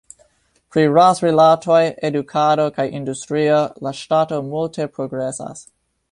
Pri ras-rilatoj, edukado kaj industrio, la ŝtato multe progresas.